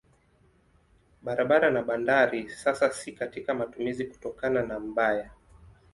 Barabara na bandari sasa si katika matumizi kutokana na mbaya.